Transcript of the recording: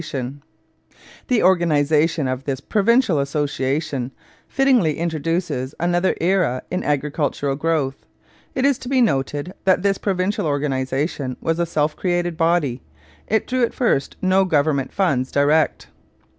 ORGANIZED AGRICULTURE, 1846 67 The organization of this provincial association fittingly introduces another era in agricultural growth. It is to be noted that this provincial organization was a self created body; it drew at first no government funds direct.